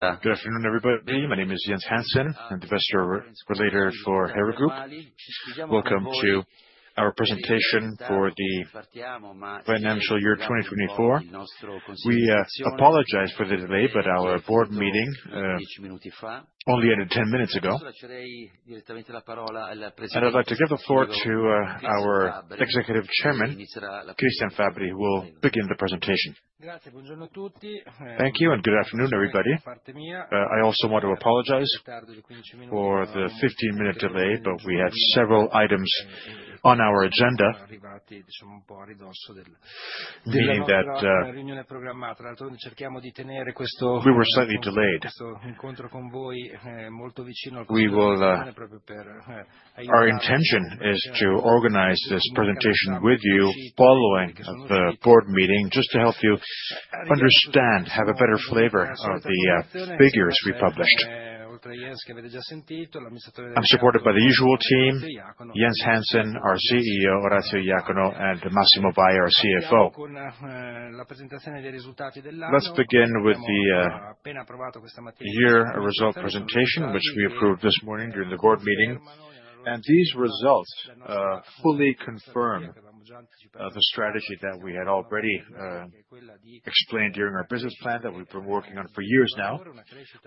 Good afternoon, everybody. My name is Jens Hansen, I'm the Investor Relations Manager for Hera Group. Welcome to our presentation for the financial year 2024. We apologize for the delay, but our board meeting only ended 10 minutes ago. I'd like to give the floor to our Executive Chairman, Cristian Fabbri, who will begin the presentation. Thank you, and good afternoon, everybody. I also want to apologize for the 15-minute delay, but we had several items on our agenda, meaning that our intention is to organize this presentation with you following the board meeting, just to help you understand, have a better flavor of the figures we published. I'm supported by the usual team: Jens Hansen, our CEO Orazio Iacono; and Massimo Vai, our CFO. Let's begin with the year result presentation, which we approved this morning during the board meeting. These results fully confirm the strategy that we had already explained during our business plan that we've been working on for years now.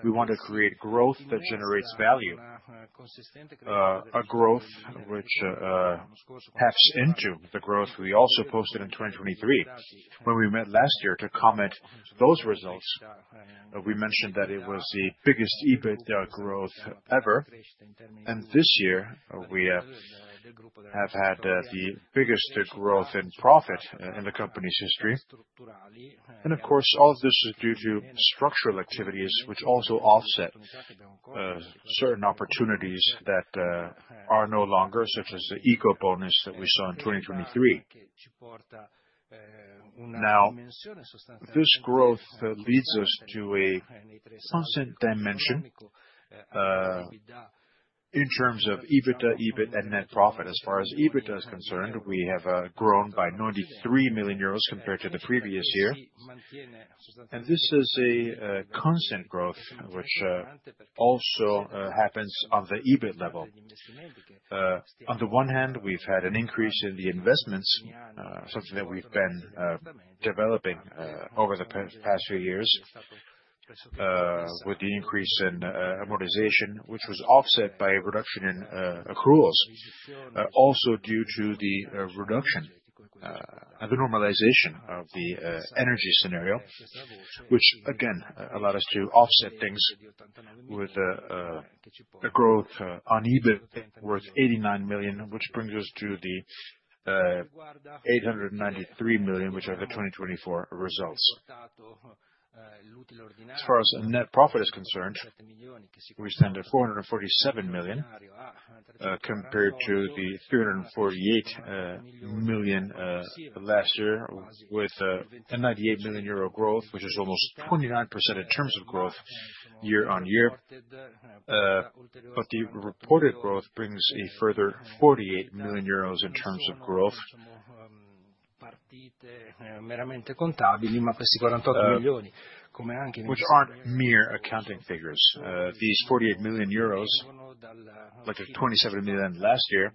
We want to create growth that generates value, a growth which taps into the growth we also posted in 2023. When we met last year to comment on those results, we mentioned that it was the biggest EBITDA growth ever. This year, we have had the biggest growth in profit in the company's history. Of course, all of this is due to structural activities, which also offset certain opportunities that are no longer, such as the eco-bonus that we saw in 2023. Now, this growth leads us to a constant dimension in terms of EBITDA, EBIT, and net profit. As far as EBITDA is concerned, we have grown by 93 million euros compared to the previous year. This is a constant growth, which also happens on the EBIT level. On the one hand, we've had an increase in the investments, something that we've been developing over the past few years, with the increase in amortization, which was offset by a reduction in accruals, also due to the reduction and the normalization of the energy scenario, which again allowed us to offset things with a growth on EBIT worth 89 million, which brings us to the 893 million which are the 2024 results. As far as net profit is concerned, we stand at 447 million compared to the 348 million last year, with a 98 million euro growth, which is almost 29% in terms of growth year-on-year. The reported growth brings a further 48 million euros in terms of growth, which aren't mere accounting figures. These 48 million euro, EUR 27 million last year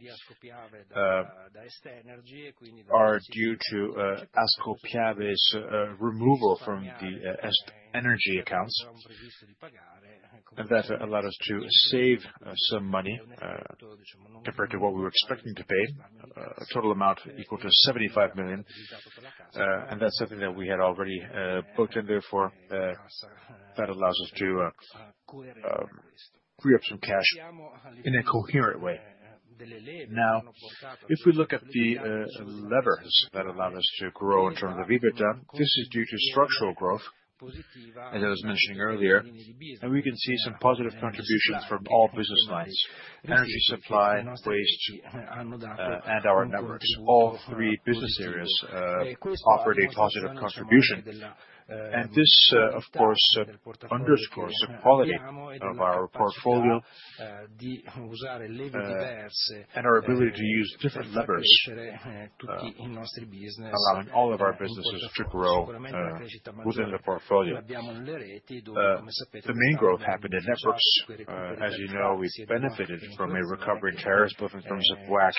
are due to Ascopiave's removal from the EstEnergy accounts. That allowed us to save some money compared to what we were expecting to pay, a total amount equal to 75 million. That's something that we had already booked in there for. That allows us to free up some cash in a coherent way. If we look at the levers that allow us to grow in terms of EBITDA, this is due to structural growth, as I was mentioning earlier. We can see some positive contributions from all business lines: energy supply, waste, and our networks. All three business areas offered a positive contribution. This, of course, underscores the quality of our portfolio and our ability to use different levers allowing all of our businesses to grow within the portfolio. The main growth happened in networks. As you know, we benefited from a recovery in tariffs, both in terms of WACC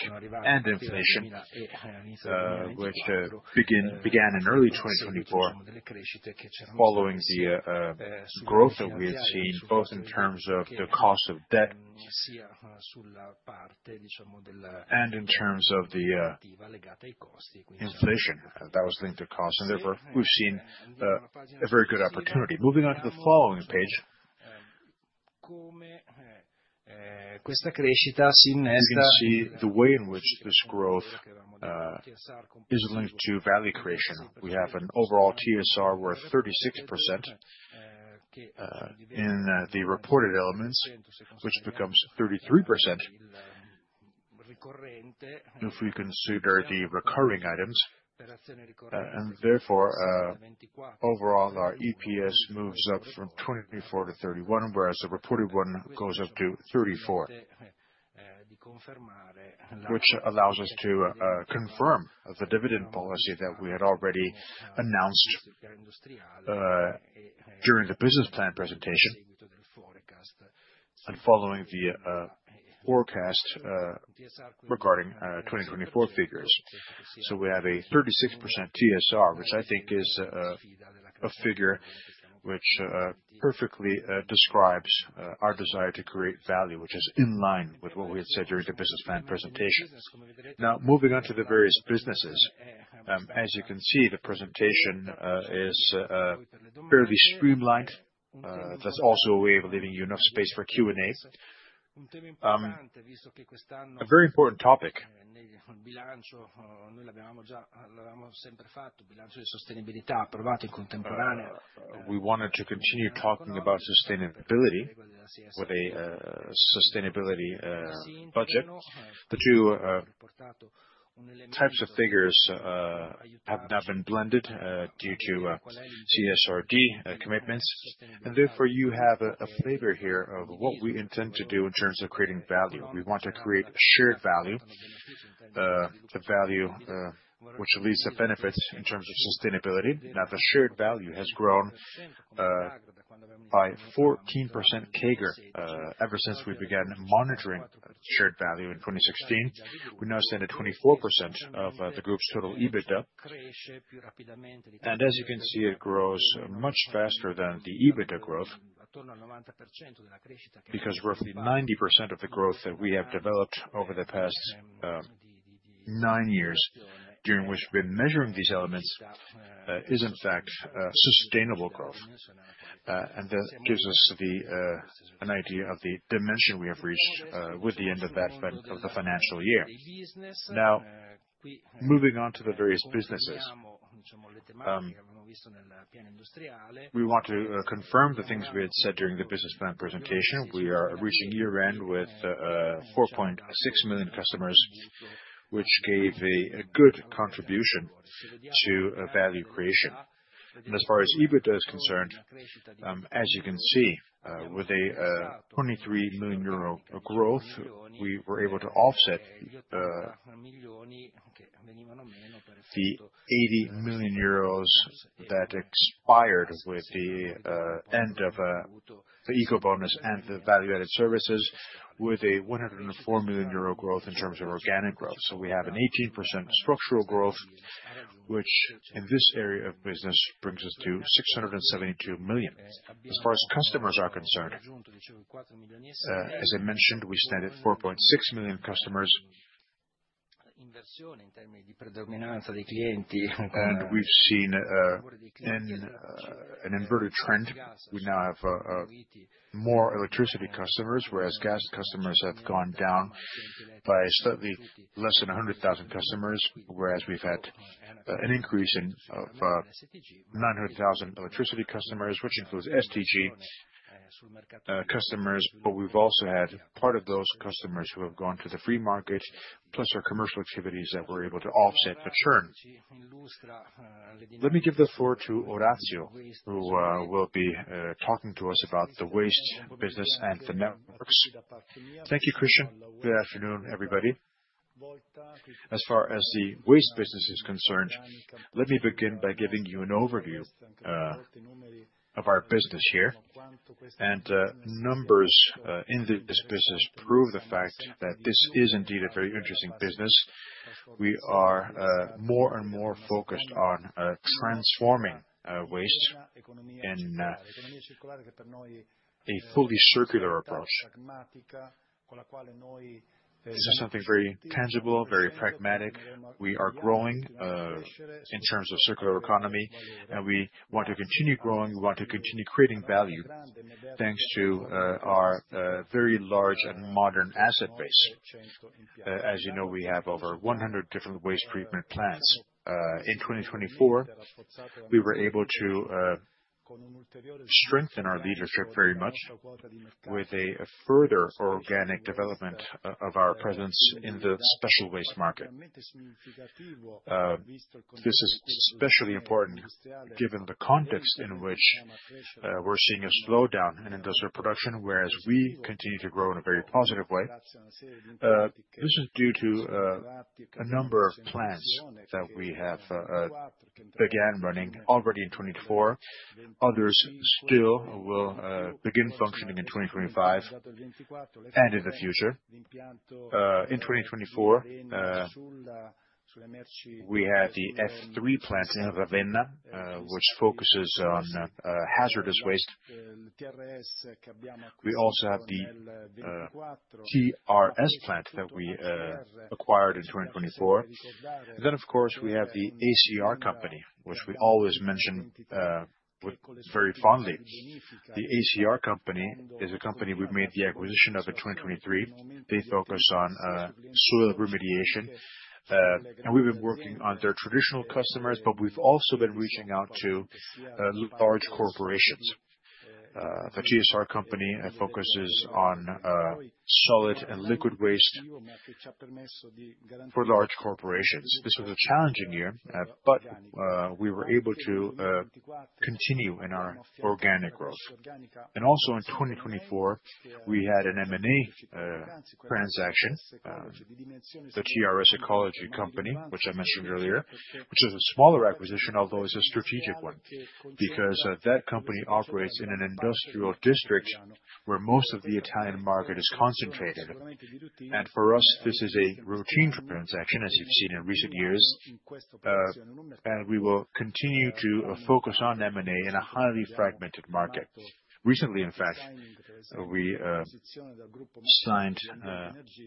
and inflation, which began in early 2024, following the growth that we had seen both in terms of the cost of debt and in terms of the inflation that was linked to costs. Therefore, we've seen a very good opportunity. Moving on to the following page, the way in which this growth is linked to value creation. We have an overall TSR worth 36% in the reported elements, which becomes 33% if we consider the recurring items. Therefore, overall, our EPS moves up from 24%-31%, whereas the reported one goes up to 34%, which allows us to confirm the dividend policy that we had already announced during the business plan presentation and following the forecast regarding 2024 figures. We have a 36% TSR, which I think is a figure which perfectly describes our desire to create value, which is in line with what we had said during the business plan presentation. Moving on to the various businesses, as you can see, the presentation is fairly streamlined. That's also a way of leaving you enough space for Q&A. A very important topic, we wanted to continue talking about sustainability with a sustainability budget. The two types of figures have now been blended due to CSRD commitments. Therefore, you have a flavor here of what we intend to do in terms of creating value. We want to create shared value, a value which leads to benefits in terms of sustainability. The shared value has grown by 14% CAGR ever since we began monitoring shared value in 2016. We now stand at 24% of the group's total EBITDA. As you can see, it grows much faster than the EBITDA growth because roughly 90% of the growth that we have developed over the past nine years, during which we've been measuring these elements, is in fact sustainable growth. That gives us an idea of the dimension we have reached with the end of the financial year. Moving on to the various businesses, we want to confirm the things we had said during the business plan presentation. We are reaching year-end with 4.6 million customers, which gave a good contribution to value creation. As far as EBITDA is concerned, as you can see, with a 23 million euro growth, we were able to offset the 80 million euros that expired with the end of the eco-bonus and the value-added services, with a 104 million euro growth in terms of organic growth. We have an 18% structural growth, which in this area of business brings us to 672 million. As far as customers are concerned, as I mentioned, we stand at 4.6 million customers. We've seen an inverted trend. We now have more electricity customers, whereas gas customers have gone down by slightly less than 100,000 customers, whereas we've had an increase in 900,000 electricity customers, which includes STG customers. We've also had part of those customers who have gone to the free market, plus our commercial activities that we're able to offset the churn. Let me give the floor to Orazio, who will be talking to us about the waste business and the networks. Thank you, Cristian. Good afternoon, everybody. As far as the waste business is concerned, let me begin by giving you an overview of our business here. Numbers in this business prove the fact that this is indeed a very interesting business. We are more and more focused on transforming waste in a fully circular approach. This is something very tangible, very pragmatic. We are growing in terms of circular economy, and we want to continue growing. We want to continue creating value thanks to our very large and modern asset base. As you know, we have over 100 different waste treatment plants. In 2024, we were able to strengthen our leadership very much with a further organic development of our presence in the special waste market. This is especially important given the context in which we're seeing a slowdown in industrial production, whereas we continue to grow in a very positive way. This is due to a number of plants that we have begun running already in 2024. Others still will begin functioning in 2025 and in the future. In 2024, we had the F3 plant in Ravenna, which focuses on hazardous waste. We also have the TRS plant that we acquired in 2024. Then, of course, we have the ACR Company, which we always mention very fondly. The ACR Company is a company we made the acquisition of in 2023. They focus on soil remediation. We've been working on their traditional customers, but we've also been reaching out to large corporations. The TRS Company focuses on solid and liquid waste for large corporations. This was a challenging year, but we were able to continue in our organic growth. Also in 2024, we had an M&A transaction, the TRS Ecology Company, which I mentioned earlier, which is a smaller acquisition, although it's a strategic one, because that company operates in an industrial district where most of the Italian market is concentrated. For us, this is a routine transaction, as you've seen in recent years. We will continue to focus on M&A in a highly fragmented market. Recently, in fact, we signed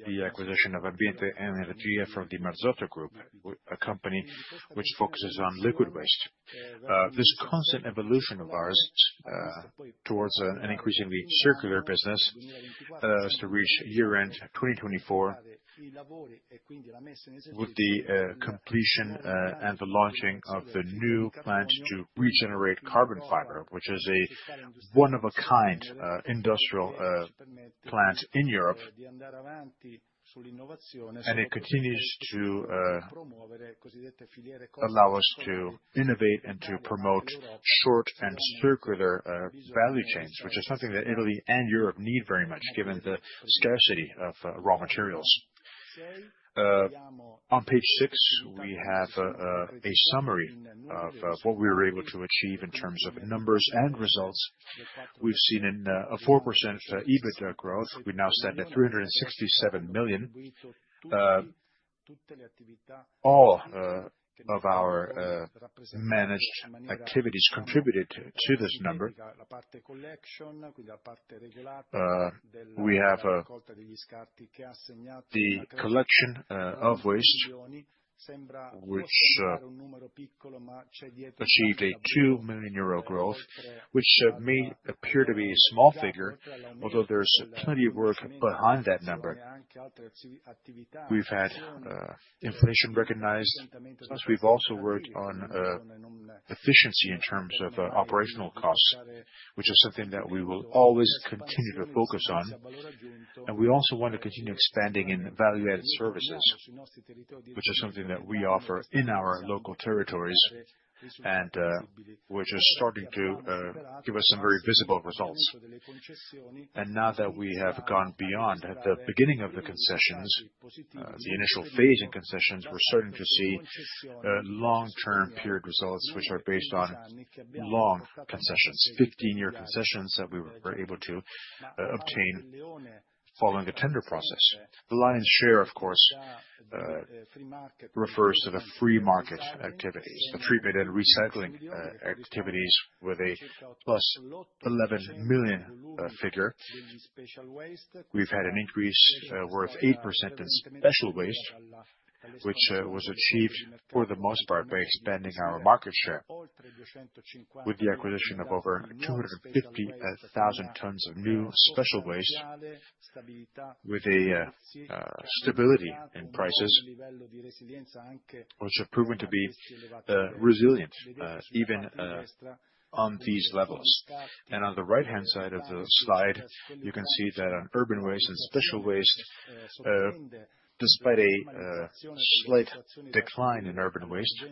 the acquisition of Ambiente Energia from the Marzotto Group, a company which focuses on liquid waste. This constant evolution of ours towards an increasingly circular business allows us to reach year-end 2024 with the completion and the launching of the new plant to regenerate carbon fiber, which is a one-of-a-kind industrial plant in Europe. It continues to allow us to innovate and to promote short and circular value chains, which is something that Italy and Europe need very much, given the scarcity of raw materials. On page six, we have a summary of what we were able to achieve in terms of numbers and results. We've seen a 4% EBITDA growth. We now stand at 367 million. All of our managed activities contributed to this number. We have the collection of waste, which achieved a 2 million euro growth, which may appear to be a small figure, although there's plenty of work behind that number. We've had inflation recognized. We've also worked on efficiency in terms of operational costs, which is something that we will always continue to focus on. We also want to continue expanding in value-added services, which is something that we offer in our local territories, and which is starting to give us some very visible results. Now that we have gone beyond the beginning of the concessions, the initial phase in concessions, we're starting to see long-term period results, which are based on long concessions, 15-year concessions that we were able to obtain following the tender process. The lion's share, of course, refers to the free market activities, the treatment and recycling activities with a +11 million figure. We've had an increase worth 8% in special waste, which was achieved for the most part by expanding our market share with the acquisition of over 250,000 tons of new special waste, with a stability in prices, which have proven to be resilient even on these levels. On the right-hand side of the slide, you can see that on urban waste and special waste, despite a slight decline in urban waste,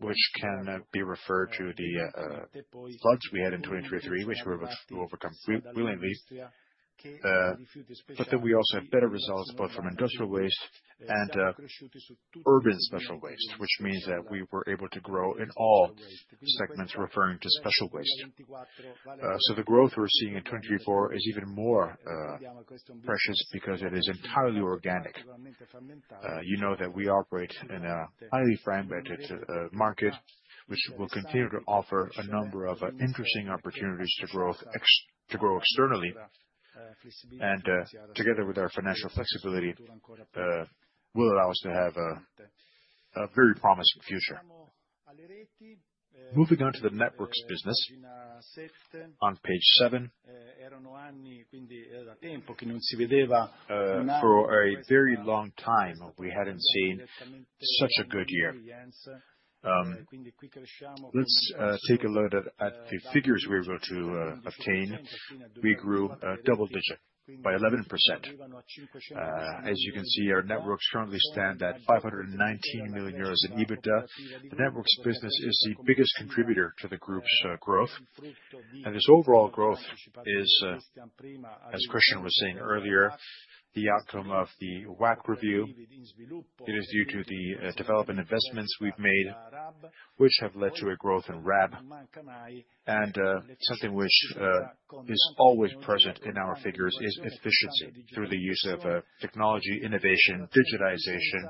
which can be referred to the floods we had in 2023, which we were able to overcome willingly. We also had better results both from industrial waste and urban special waste, which means that we were able to grow in all segments referring to special waste. The growth we're seeing in 2024 is even more precious because it is entirely organic. You know that we operate in a highly fragmented market, which will continue to offer a number of interesting opportunities to grow externally. Together with our financial flexibility, it will allow us to have a very promising future. Moving on to the networks business on page seven, for a very long time, we hadn't seen such a good year. Let's take a look at the figures we were able to obtain. We grew double-digit by 11%. As you can see, our networks currently stand at 519 million euros in EBITDA. The networks business is the biggest contributor to the group's growth. This overall growth is, as Cristian was saying earlier, the outcome of the WACC review. It is due to the development investments we've made, which have led to a growth in RAB. Something which is always present in our figures is efficiency through the use of technology, innovation, digitization.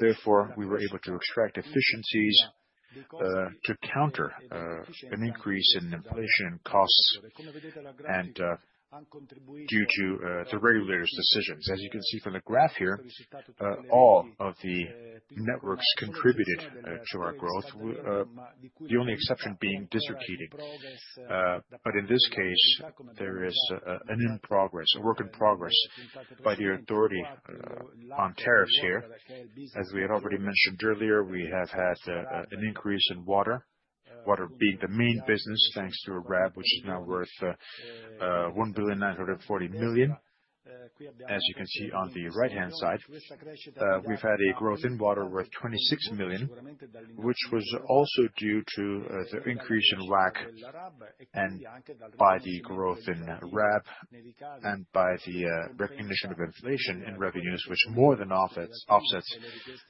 Therefore, we were able to extract efficiencies to counter an increase in inflation and costs due to the regulators' decisions. As you can see from the graph here, all of the networks contributed to our growth, the only exception being district heating. In this case, there is a work in progress by the authority on tariffs here. As we had already mentioned earlier, we have had an increase in water, water being the main business thanks to RAB, which is now worth 1,940 million. As you can see on the right-hand side, we've had a growth in water worth 26 million, which was also due to the increase in WACC and by the growth in RAB and by the recognition of inflation in revenues, which more than offsets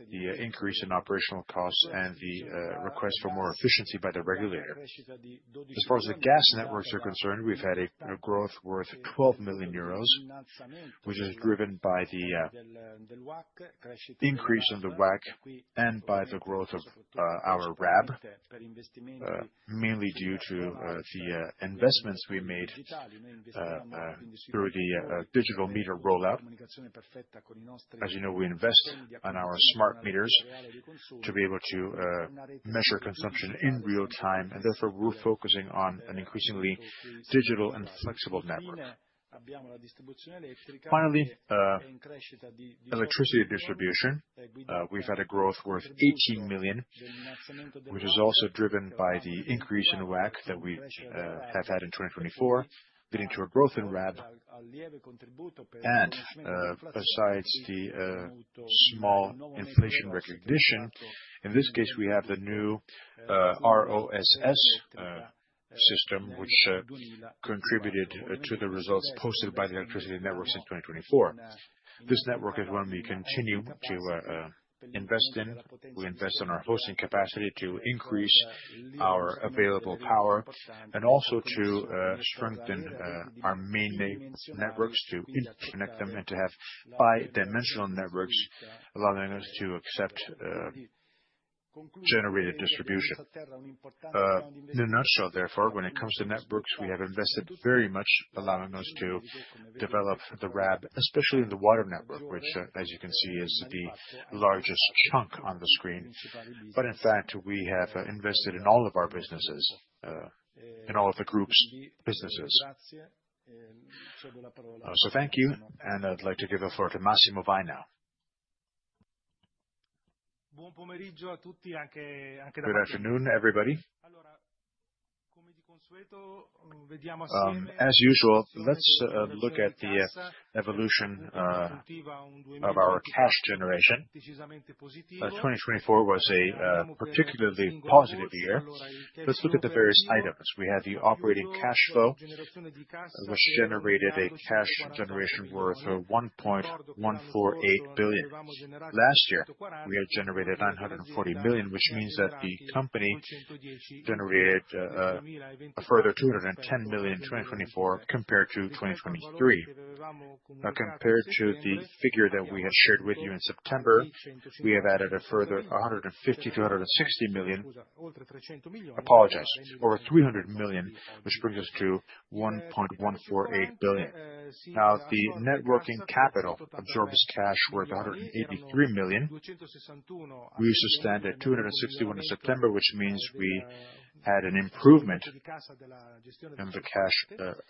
the increase in operational costs and the request for more efficiency by the regulator. As far as the gas networks are concerned, we've had a growth worth 12 million euros, which is driven by the increase in the WACC and by the growth of our RAB, mainly due to the investments we made through the digital meter rollout. As you know, we invest in our smart meters to be able to measure consumption in real time, and therefore, we're focusing on an increasingly digital and flexible network. Finally, electricity distribution, we've had a growth worth 18 million, which is also driven by the increase in WACC that we have had in 2024, leading to a growth in RAB. Besides the small inflation recognition, in this case, we have the new ROSS system, which contributed to the results posted by the electricity network since 2024. This network is one we continue to invest in. We invest in our hosting capacity to increase our available power and also to strengthen our main networks to interconnect them and to have bi-dimensional networks, allowing us to accept generated distribution. In a nutshell, therefore, when it comes to networks, we have invested very much, allowing us to develop the RAB, especially in the water network, which, as you can see, is the largest chunk on the screen. In fact, we have invested in all of our businesses, in all of the Group's businesses. Thank you, and I'd like to give the floor to Massimo Vai now. Good afternoon, everybody. As usual, let's look at the evolution of our cash generation. 2024 was a particularly positive year. Let's look at the various items. We had the operating cash flow, which generated a cash generation worth 1.148 billion. Last year, we had generated 940 million, which means that the company generated a further 210 million in 2024, compared to 2023. Compared to the figure that we had shared with you in September, we have added a further 150 miilion-EUR 260 million. Apologize. Over 300 million, which brings us to 1.148 billion. Now, the net working capital absorbs cash worth 183 million. We used to stand at 261 million in September, which means we had an improvement in the cash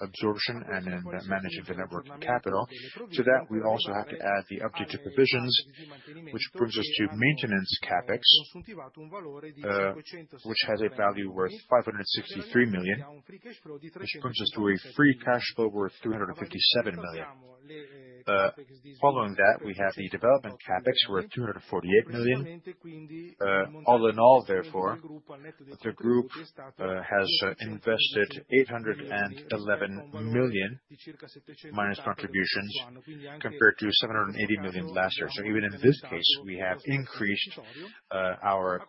absorption and in managing the net working capital. To that, we also have to add the updated provisions, which brings us to maintenance CapEx, which has a value worth 563 million, which brings us to a free cash flow worth 357 million. Following that, we have the development CapEx worth 248 million. All in all, therefore, the group has invested 811 million minus contributions, compared to 780 million last year. So even in this case, we have increased our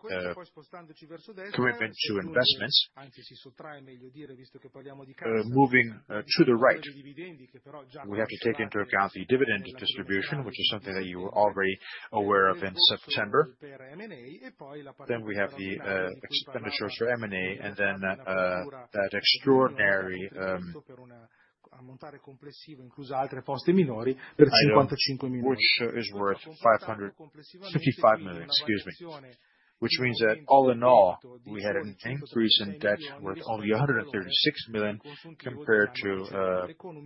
commitment to investments, moving to the right. We have to take into account the dividend distribution, which is something that you were already aware of in September. We have the expenditures for M&A, and the extraordinary which is worth 555 million, which means that all in all, we had an increase in debt worth only 136 million compared to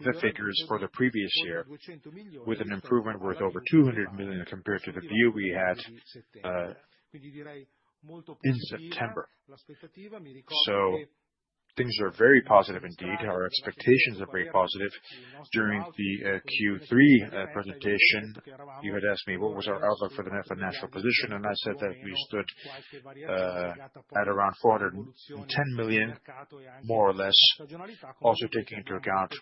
the figures for the previous year, with an improvement worth over 200 million compared to the view we had in September. Things are very positive indeed. Our expectations are very positive. During the Q3 presentation, you had asked me what was our outlook for the net financial position, and I said that we stood at around 410 million, more or less, also taking into account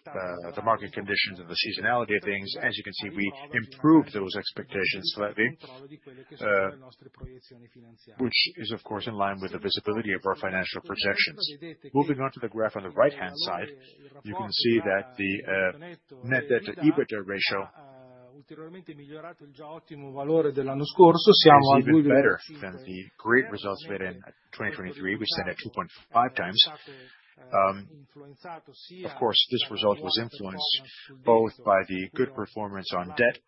the market conditions and the seasonality of things. As you can see, we improved those expectations slightly, which is, of course, in line with the visibility of our financial projections. Moving on to the graph on the right-hand side, you can see that the net debt to EBITDA ratio is even better than the great results we had in 2023. We stand at 2.5x. Of course, this result was influenced both by the good performance on debt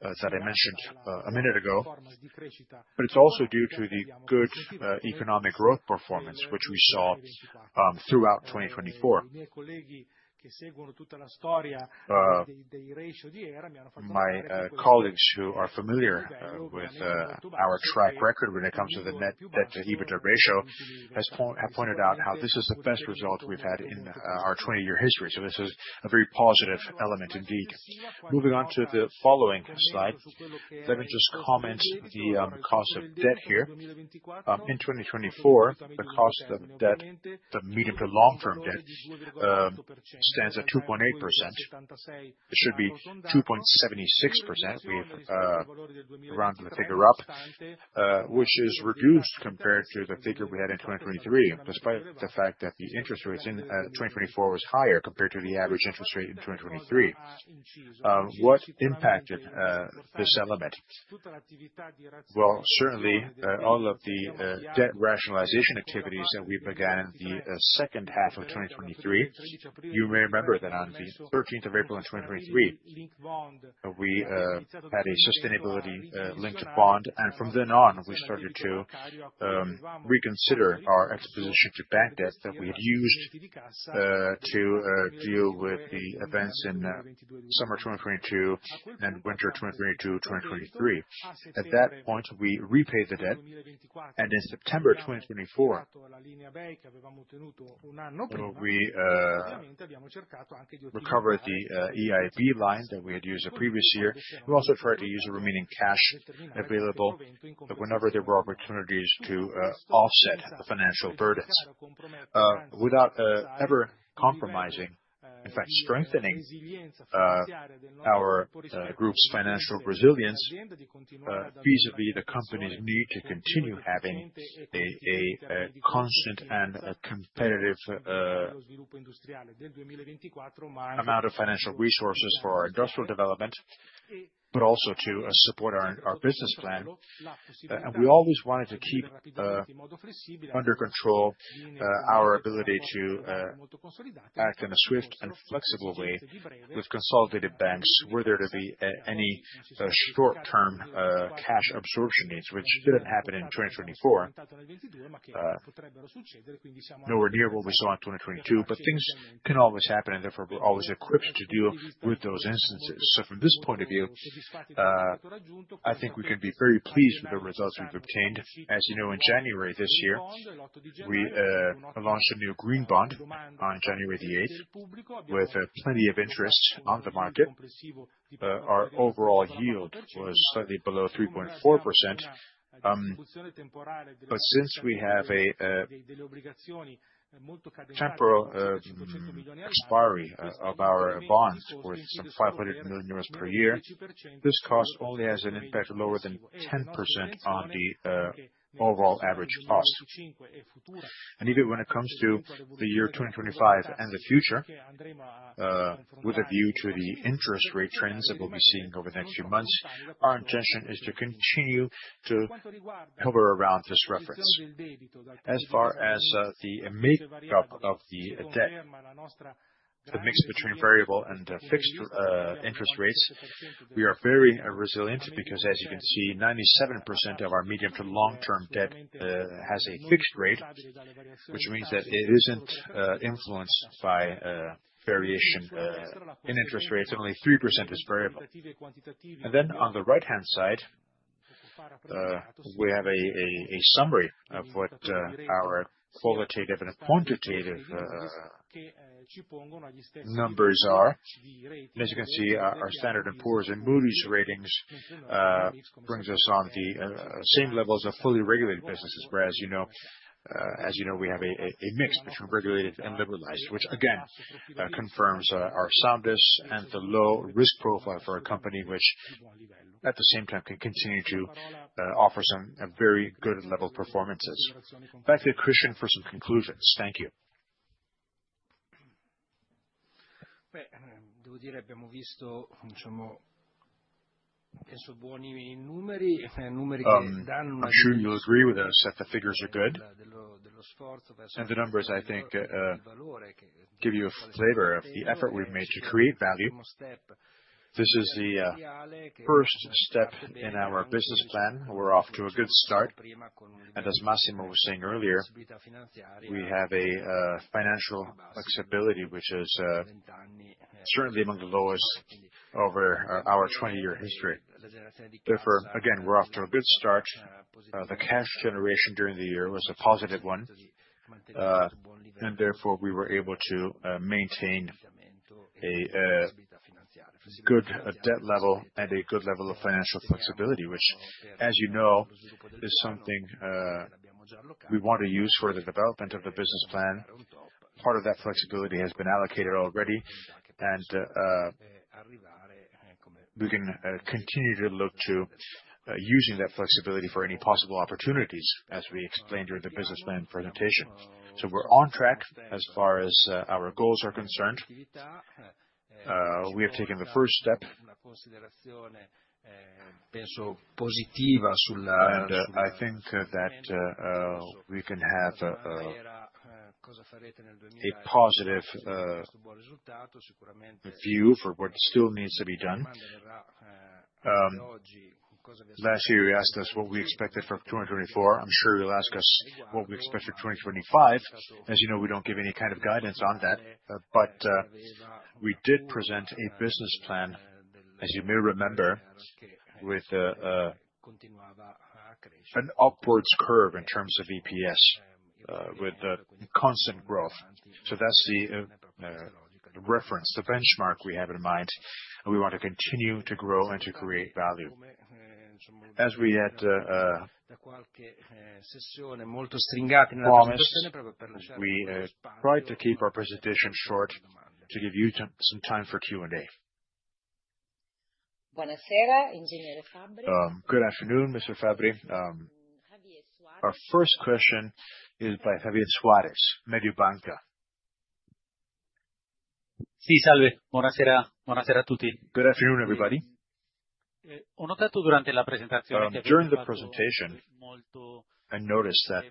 that I mentioned a minute ago, but it's also due to the good economic growth performance, which we saw throughout 2024. My colleagues, who are familiar with our track record when it comes to the net debt to EBITDA ratio, have pointed out how this is the best result we've had in our 20-year history. This is a very positive element indeed. Moving on to the following slide, let me just comment on the cost of debt here. In 2024, the cost of debt, the medium to long-term debt, stands at 2.76%. We have rounded the figure up, which is reduced compared to the figure we had in 2023, despite the fact that the interest rates in 2024 were higher compared to the average interest rate in 2023. What impacted this element? Certainly, all of the debt rationalization activities that we began in the second half of 2023. You may remember that on the 13th of April in 2023, we had a sustainability linked bond, and from then on, we started to reconsider our exposition to bank debt that we had used to deal with the events in summer 2022 and winter 2022-2023. At that point, we repaid the debt, and in September 2024, we recovered the EIB line that we had used the previous year. We also tried to use the remaining cash available whenever there were opportunities to offset the financial burdens. Without ever compromising, in fact, strengthening our group's financial resilience, vis-à-vis the company's need to continue having a constant and competitive amount of financial resources for our industrial development, but also to support our business plan. We always wanted to keep under control our ability to act in a swift and flexible way with consolidated banks where there would be any short-term cash absorption needs, which didn't happen in 2024, nowhere near what we saw in 2022. Things can always happen, and therefore, we're always equipped to deal with those instances. From this point of view, I think we can be very pleased with the results we've obtained. As you know, in January this year, we launched a new green bond on January 8th with plenty of interest on the market. Our overall yield was slightly below 3.4%. Since we have a temporal expiry of our bonds worth some 500 million euros per year, this cost only has an impact lower than 10% on the overall average cost. Even when it comes to the year 2025 and the future, with a view to the interest rate trends that we'll be seeing over the next few months, our intention is to continue to hover around this reference. As far as the makeup of the debt, the mix between variable and fixed interest rates, we are very resilient because, as you can see, 97% of our medium to long-term debt has a fixed rate, which means that it isn't influenced by variation in interest rates, and only 3% is variable. On the right-hand side, we have a summary of what our qualitative and quantitative numbers are. As you can see, our Standard & Poor's and Moody's ratings bring us on the same levels of fully regulated businesses. Whereas, as you know, we have a mix between regulated and liberalized, which again confirms our soundness and the low risk profile for a company which, at the same time, can continue to offer some very good level performances. Back to Cristian for some conclusions. Thank you. I'm sure you'll agree with us that the figures are good, and the numbers, I think, give you a flavor of the effort we've made to create value. This is the first step in our business plan. We're off to a good start. As Massimo was saying earlier, we have a financial flexibility which is certainly among the lowest over our 20-year history. Therefore, again, we're off to a good start. The cash generation during the year was a positive one, and therefore, we were able to maintain a good debt level and a good level of financial flexibility, which, as you know, is something we want to use for the development of the business plan. Part of that flexibility has been allocated already, and we can continue to look to using that flexibility for any possible opportunities, as we explained during the business plan presentation. We're on track as far as our goals are concerned. We have taken the first step, and I think that we can have a positive view for what still needs to be done. Last year, you asked us what we expected for 2024. I'm sure you'll ask us what we expect for 2025. As you know, we don't give any kind of guidance on that. But we did present a business plan, as you may remember, with an upwards curve in terms of EPS, with constant growth. So that's the reference, the benchmark we have in mind. We want to continue to grow and to create value. As we had promised, we tried to keep our presentation short to give you some time for Q&A. Good afternoon, Mr. Fabbri. Our first question is by Javier Suárez, Mediobanca. Good afternoon, everybody. During the presentation I noticed that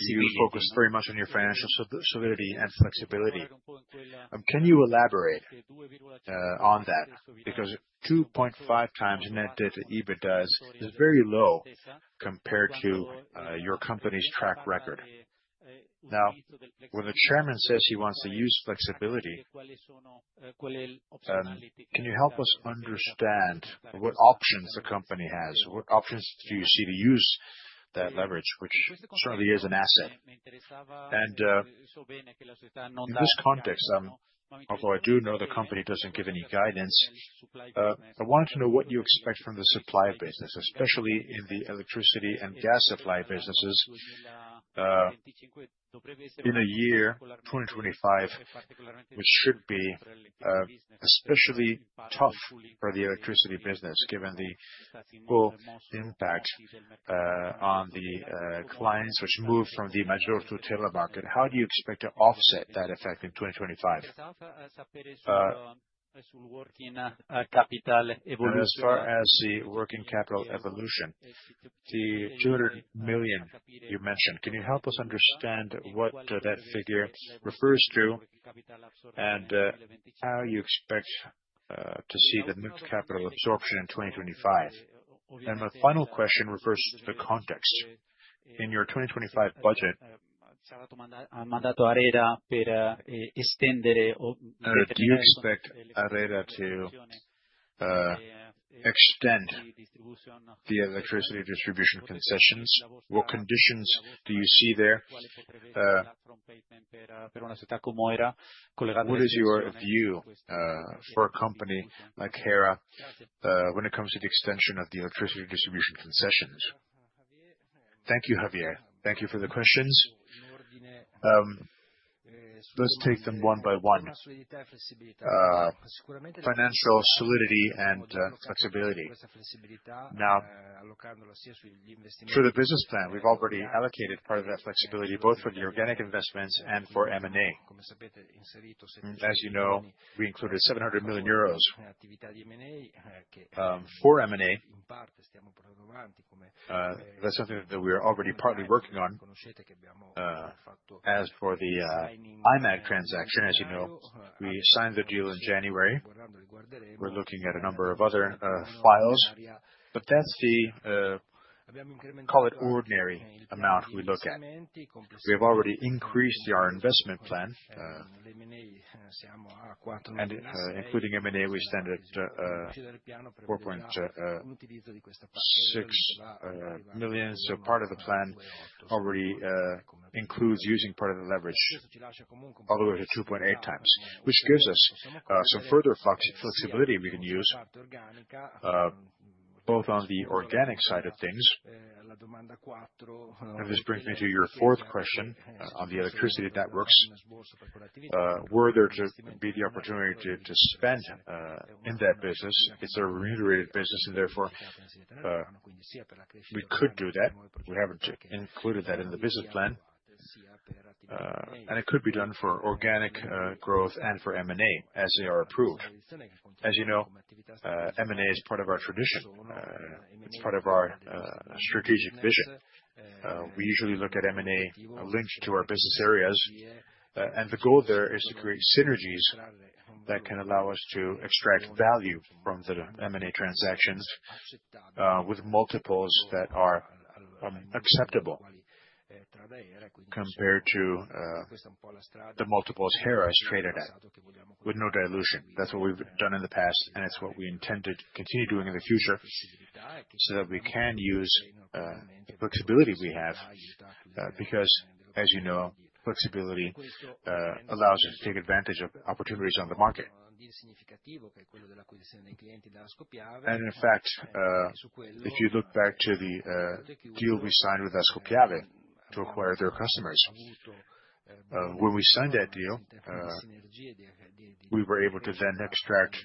you focus very much on your financial solidity and flexibility. Can you elaborate on that? Because 2.5x` net debt to EBITDA is very low compared to your company's track record. Now, when the Chairman says he wants to use flexibility, can you help us understand what options the company has? What options do you see to use that leverage, which certainly is an asset? In this context, although I do know the company doesn't give any guidance, I wanted to know what you expect from the supply business, especially in the electricity and gas supply businesses in the year 2025, which should be especially tough for the electricity business, given the full impact on the clients which move from the Maggior Tutela market. How do you expect to offset that effect in 2025? As far as the working capital evolution, the 200 million you mentioned, can you help us understand what that figure refers to and how you expect to see the working capital absorption in 2025? My final question refers to the context. In your 2025 budget, do you expect ARERA to extend the electricity distribution concessions? What conditions do you see there? What is your view for a company like Hera when it comes to the extension of the electricity distribution concessions? Thank you, Javier. Thank you for the questions. Let's take them one by one. Financial solidity and flexibility. For the business plan, we've already allocated part of that flexibility both for the organic investments and for M&A. As you know, we included 700 million euros for M&A. That's something that we are already partly working on. As for the Aimag transaction, as you know, we signed the deal in January. We're looking at a number of other files, but that's the ordinary amount we look at. We have already increased our investment plan, and including M&A, we stand at 4.6 billion. Part of the plan already includes using part of the leverage, all the way to 2.8x, which gives us some further flexibility we can use both on the organic side of things. This brings me to your fourth question on the electricity networks. Were there to be the opportunity to spend in that business, it's a remunerated business, and therefore, we could do that. We haven't included that in the business plan, and it could be done for organic growth and for M&A as they are approved. As you know, M&A is part of our tradition. It's part of our strategic vision. We usually look at M&A linked to our business areas, and the goal there is to create synergies that can allow us to extract value from the M&A transactions with multiples that are acceptable compared to the multiples Hera is traded at, with no dilution. That's what we've done in the past, and it's what we intended to continue doing in the future so that we can use the flexibility we have, because, as you know, flexibility allows us to take advantage of opportunities on the market. In fact, if you look back to the deal we signed with Ascopiave to acquire their customers, when we signed that deal, we were able to then extract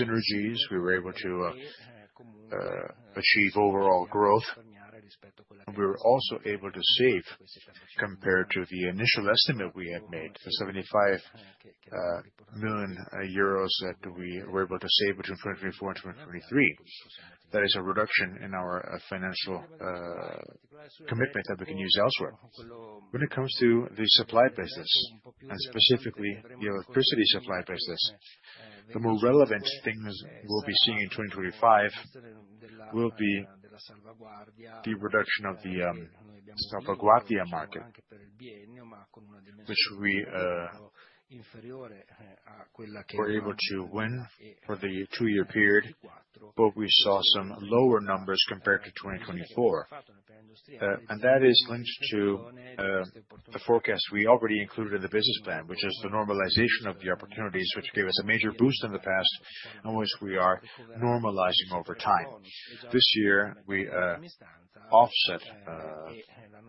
synergies. We were able to achieve overall growth, and we were also able to save compared to the initial estimate we had made for 75 million euros that we were able to save between 2024 and 2023. That is a reduction in our financial commitment that we can use elsewhere. When it comes to the supply business, and specifically the electricity supply business, the more relevant things we'll be seeing in 2025 will be the reduction of the Salvaguardia market, which we were able to win for the two-year period, but we saw some lower numbers compared to 2024. That is linked to the forecast we already included in the business plan, which is the normalization of the opportunities, which gave us a major boost in the past, and which we are normalizing over time. This year, we offset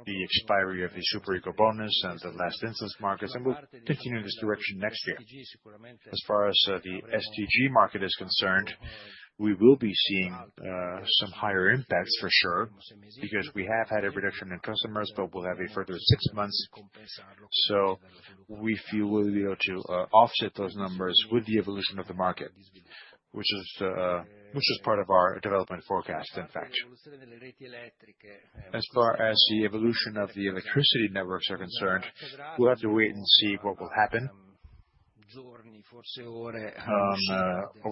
the expiry of the super ecobonus and the last instance markets, and we'll continue in this direction next year. As far as the STG market is concerned, we will be seeing some higher impacts for sure, because we have had a reduction in customers, but we'll have a further six months. We feel we'll be able to offset those numbers with the evolution of the market, which is part of our development forecast, in fact. As far as the evolution of the electricity networks are concerned, we'll have to wait and see what will happen over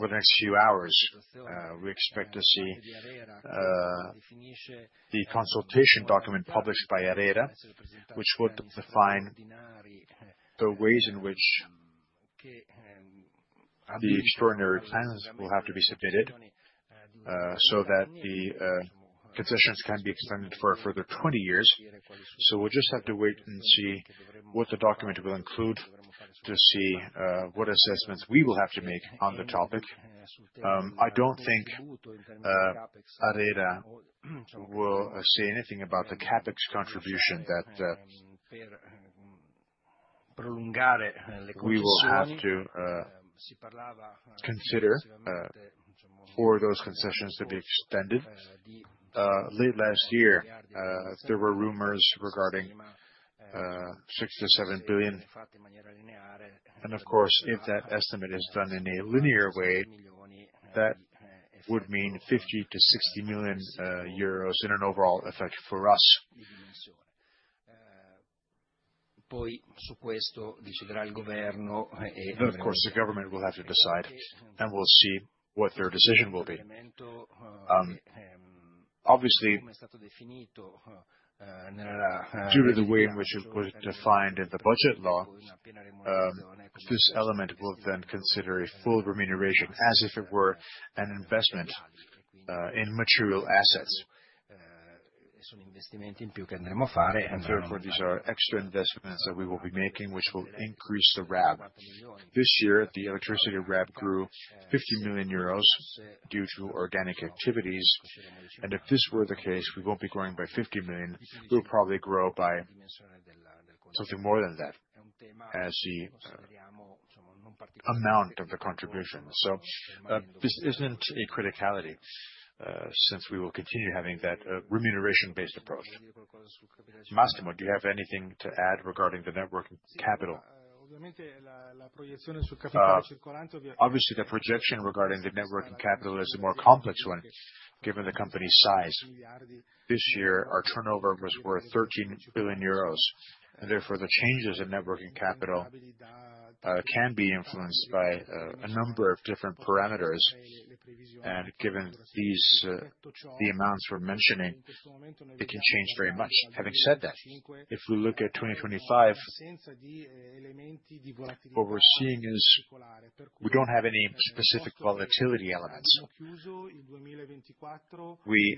the next few hours. We expect to see the consultation document published by ARERA, which would define the ways in which the extraordinary plans will have to be submitted so that the concessions can be extended for a further 20 years. We'll just have to wait and see what the document will include to see what assessments we will have to make on the topic. I don't think ARERA will say anything about the CapEx contribution that we will have to consider for those concessions to be extended. Late last year, there were rumors regarding 6 billion-7 billion. Of course, if that estimate is done in a linear way, that would meanEUR 50 million to 60 million euros in an overall effect for us. Of course, the government will have to decide, and we'll see what their decision will be. Obviously, due to the way in which it was defined in the budget law, this element will then consider a full remuneration as if it were an investment in material assets. Therefore, these are extra investments that we will be making, which will increase the RAB. This year, the electricity RAB grew 50 million euros due to organic activities. If this were the case, we won't be growing by 50 million. We'll probably grow by something more than that as the amount of the contribution. This isn't a criticality since we will continue having that remuneration-based approach. Massimo, do you have anything to add regarding the working capital? Obviously, the projection regarding the working capital is a more complex one, given the company's size. This year, our turnover was worth 13 billion euros, and therefore, the changes in working capital can be influenced by a number of different parameters. Given the amounts we're mentioning, it can change very much. Having said that, if we look at 2025, what we're seeing is we don't have any specific volatility elements. We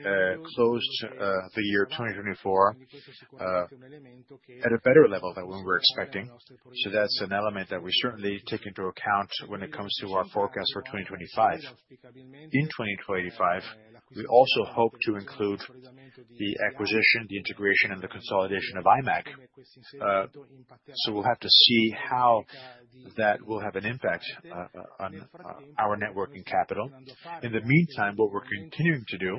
closed the year 2024 at a better level than we were expecting. That's an element that we certainly take into account when it comes to our forecast for 2025. In 2025, we also hope to include the acquisition, the integration, and the consolidation of Aimag. We'll have to see how that will have an impact on our working capital. In the meantime, what we're continuing to do,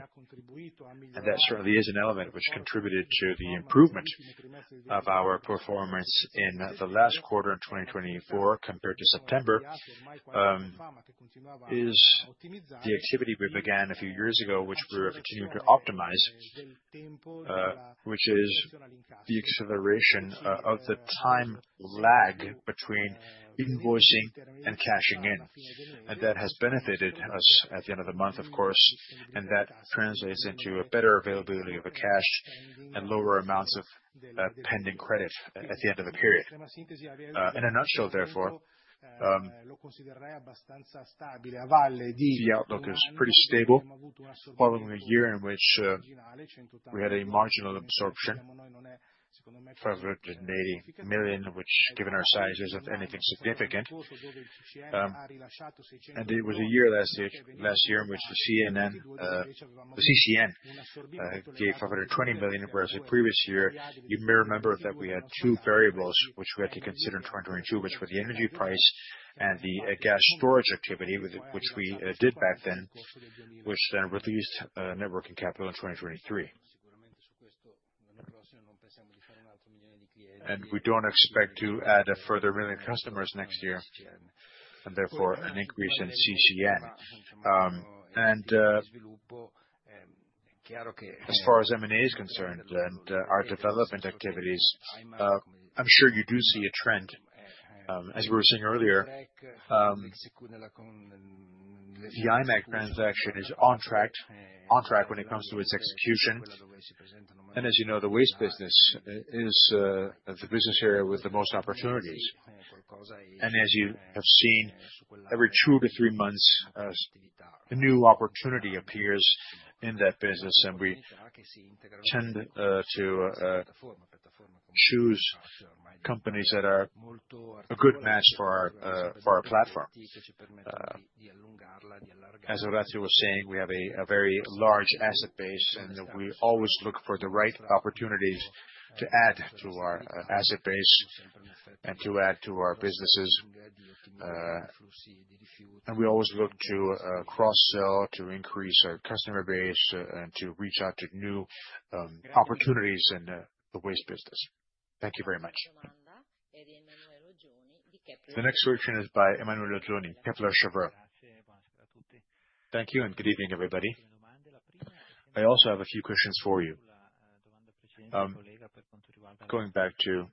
and that certainly is an element which contributed to the improvement of our performance in the last quarter in 2024 compared to September, is the activity we began a few years ago, which we are continuing to optimize, which is the acceleration of the time lag between invoicing and cashing in. That has benefited us at the end of the month, of course, and that translates into better availability of cash and lower amounts of pending credit at the end of the period. In a nutshell, therefore, the outlook is pretty stable following a year in which we had a marginal absorption of 180 million, which, given our size, isn't anything significant. It was a year last year in which the CCN gave 520 million, whereas the previous year, you may remember that we had two variables which we had to consider in 2022, which were the energy price and the gas storage activity, which we did back then, which then reduced networking capital in 2023. We don't expect to add a further million customers next year, and therefore an increase in CCN. As far as M&A is concerned and our development activities, I'm sure you do see a trend. As we were saying earlier, the Aimag transaction is on track when it comes to its execution. As you know, the waste business is the business area with the most opportunities. As you have seen, every two to three months, a new opportunity appears in that business, and we tend to choose companies that are a good match for our platform. As Orazio was saying, we have a very large asset base, and we always look for the right opportunities to add to our asset base and to add to our businesses. We always look to cross-sell to increase our customer base and to reach out to new opportunities in the waste business. Thank you very much. The next question is by Emanuele Oggioni, Kepler Cheuvreux. Thank you, and good evening, everybody. I also have a few questions for you. Going back to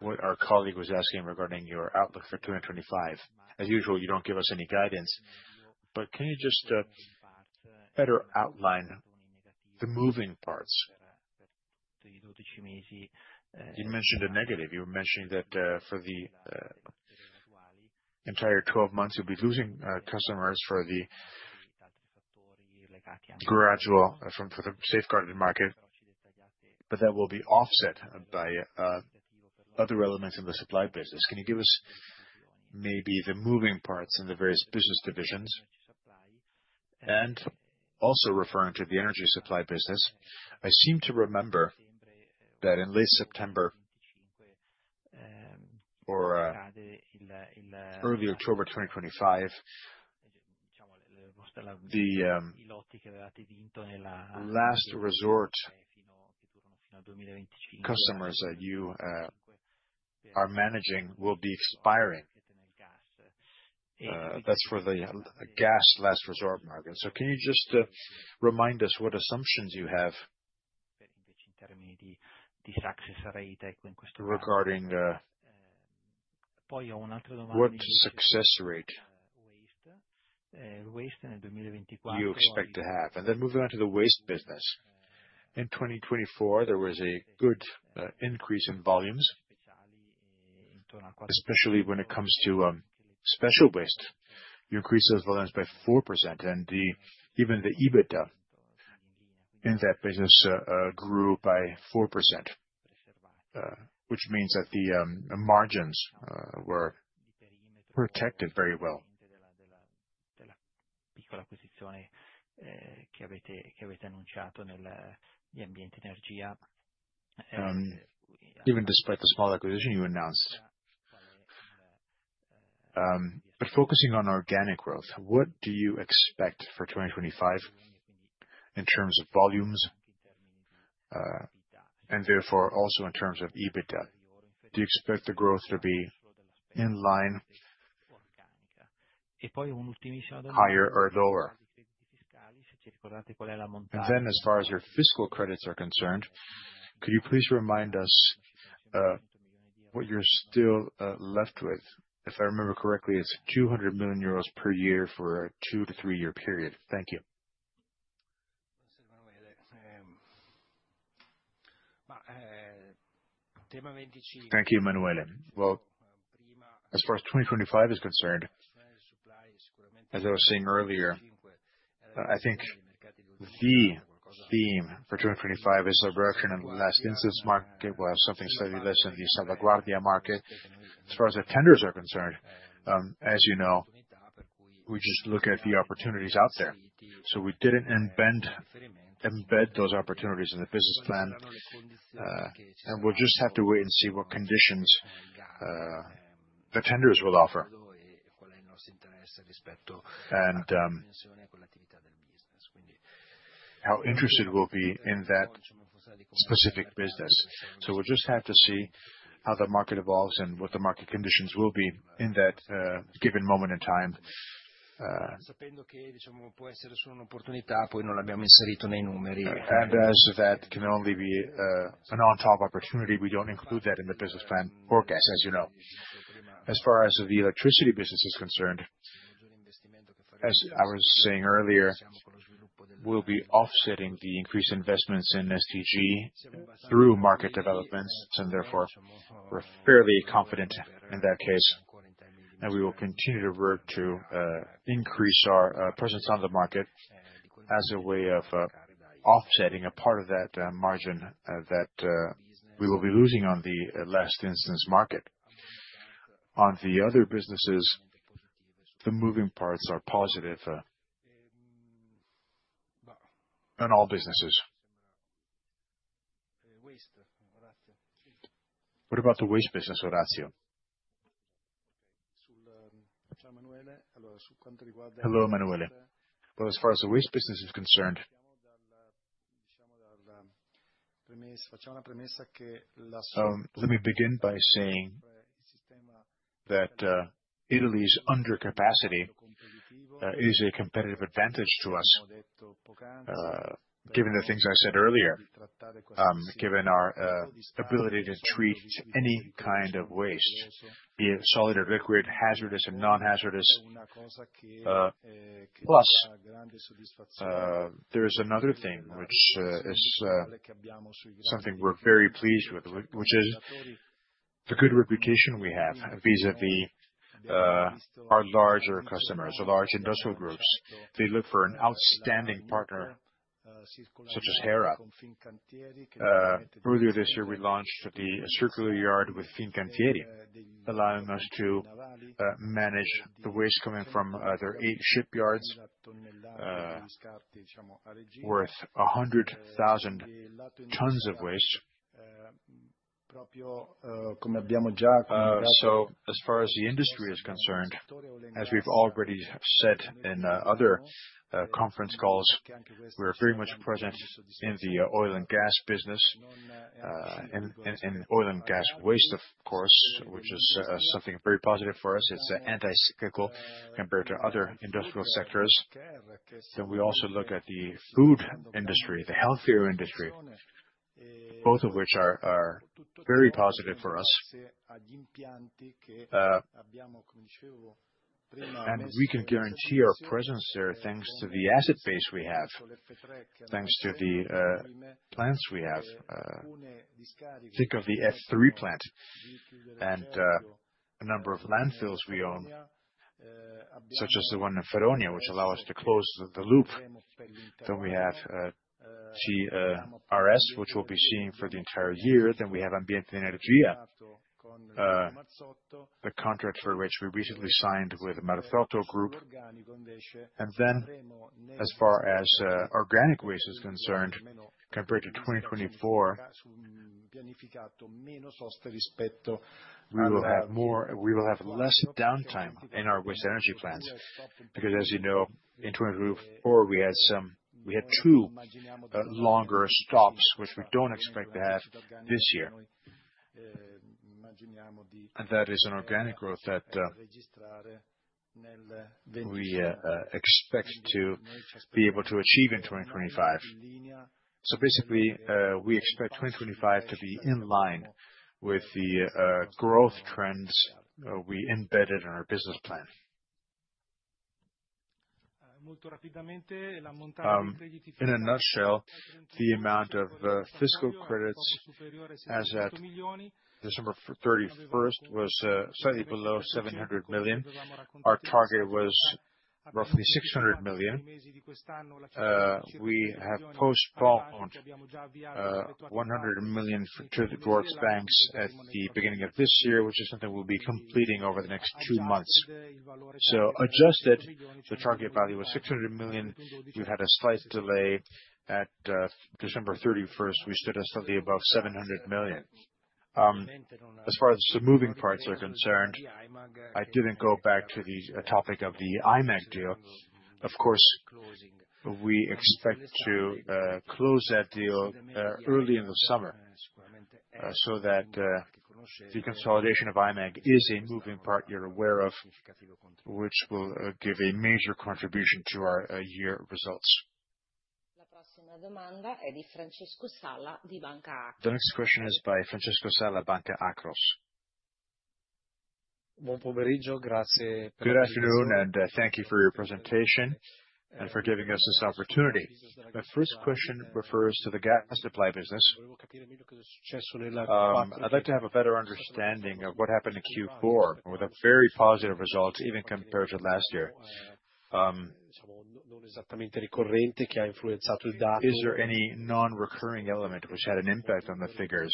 what our colleague was asking regarding your outlook for 2025. As usual, you don't give us any guidance, but can you just better outline the moving parts? You mentioned a negative. You were mentioning that for the entire 12 months, you'll be losing customers for the gradual safeguarded market, but that will be offset by other elements in the supply business. Can you give us maybe the moving parts in the various business divisions? And also referring to the energy supply business, I seem to remember that in late September or early October 2025, the last resort customers that you are managing will be expiring. That's for the gas last resort market. So can you just remind us what assumptions you have regarding what success rate? What success rate do you expect to have? And then moving on to the waste business. In 2024, there was a good increase in volumes, especially when it comes to special waste. You increased those volumes by 4%, and even the EBITDA in that business grew by 4%, which means that the margins were protected very well. Even despite the small acquisition you announced, but focusing on organic growth, what do you expect for 2025 in terms of volumes and therefore also in terms of EBITDA? Do you expect the growth to be in line, higher or lower? And then, as far as your fiscal credits are concerned, could you please remind us what you're still left with? If I remember correctly, it's 200 million euros per year for a two-to-three-year period. Thank you. Thank you, Emanuele. As far as 2025 is concerned, as I was saying earlier, I think the theme for 2025 is a reduction in last instance market. We'll have something slightly less in the Salvaguardia market. As far as the tenders are concerned, as you know, we just look at the opportunities out there. We didn't embed those opportunities in the business plan, and we'll just have to wait and see what conditions the tenders will offer and how interested we'll be in that specific business. We'll just have to see how the market evolves and what the market conditions will be in that given moment in time. As that can only be an on-top opportunity, we don't include that in the business plan forecast, as you know. As far as the electricity business is concerned, as I was saying earlier, we'll be offsetting the increased investments in STG through market developments. Therefore, we're fairly confident in that case, and we will continue to work to increase our presence on the market as a way of offsetting a part of that margin that we will be losing on the last instance market. On the other businesses, the moving parts are positive in all businesses. What about the waste business, Orazio? Hello, Emanuele. As far as the waste business is concerned, let me begin by saying that Italy's undercapacity is a competitive advantage to us, given the things I said earlier, given our ability to treat any kind of waste, be it solid or liquid, hazardous or non-hazardous. Plus, there is another thing which is something we're very pleased with, which is the good reputation we have vis-à-vis our larger customers, large industrial groups. They look for an outstanding partner such as Hera. Earlier this year, we launched the circular yard with Fincantieri, allowing us to manage the waste coming from their eight shipyards worth 100,000 tons of waste. As far as the industry is concerned, as we've already said in other conference calls, we are very much present in the oil and gas business, in oil and gas waste, of course, which is something very positive for us. It's anti-cyclical compared to other industrial sectors. We also look at the food industry, the healthcare industry, both of which are very positive for us. We can guarantee our presence there thanks to the asset base we have, thanks to the plants we have. Think of the F3 Plant and a number of landfills we own, such as the one in Ferrara, which allow us to close the loop. We have TRS, which we'll be seeing for the entire year. We have Ambiente Energia, the contract for which we recently signed with Marzotto Group. As far as organic waste is concerned, compared to 2024, we will have less downtime in our waste energy plants because, as you know, in 2024, we had two longer stops, which we don't expect to have this year. That is an organic growth that we expect to be able to achieve in 2025. Basically, we expect 2025 to be in line with the growth trends we embedded in our business plan. In a nutshell, the amount of fiscal credits as at December 31st was slightly below 700 million. Our target was roughly 600 million. We have postponed 100 million towards banks at the beginning of this year, which is something we'll be completing over the next two months. So adjusted, the target value was 600 million. We've had a slight delay. At December 31st, we stood at slightly above 700 million. As far as the moving parts are concerned, I didn't go back to the topic of the Aimag deal. Of course, we expect to close that deal early in the summer so that the consolidation of Aimag is a moving part you're aware of, which will give a major contribution to our year results. The next question is by Francesco Sala, Banca Akros. Good afternoon, and thank you for your presentation and for giving us this opportunity. My first question refers to the gas supply business. I'd like to have a better understanding of what happened in Q4 with a very positive result, even compared to last year. Is there any non-recurring element which had an impact on the figures,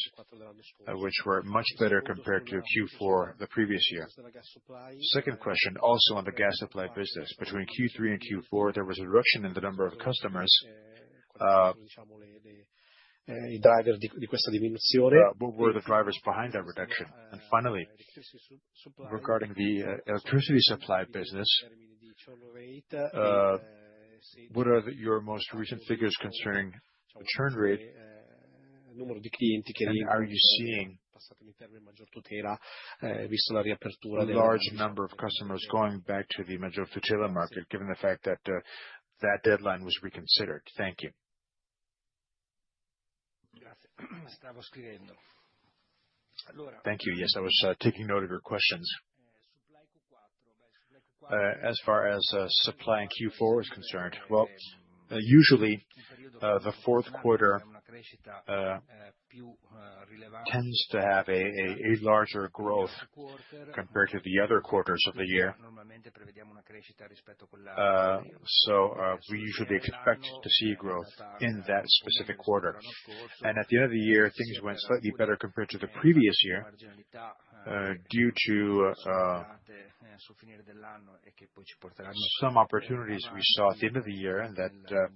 which were much better compared to Q4 the previous year? Second question, also on the gas supply business. Between Q3 and Q4, there was a reduction in the number of customers. What were the drivers behind that reduction? Finally, regarding the electricity supply business, what are your most recent figures concerning the churn rate? Are you seeing a large number of customers going back to the Maggior Tutela market, given the fact that that deadline was reconsidered? Thank you. Thank you. Yes, I was taking note of your questions. As far as supply in Q4 is concerned, the fourth quarter tends to have a larger growth compared to the other quarters of the year. So we usually expect to see growth in that specific quarter. At the end of the year, things went slightly better compared to the previous year due to some opportunities we saw at the end of the year that